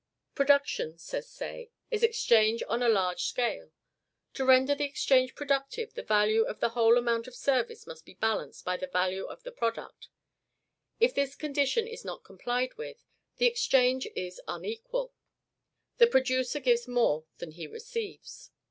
"Production," says Say, "is exchange on a large scale. To render the exchange productive the value of the whole amount of service must be balanced by the value of the product. If this condition is not complied with, the exchange is unequal; the producer gives more than he receives."